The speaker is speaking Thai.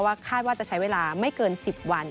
คาดว่าจะใช้เวลาไม่เกิน๑๐วัน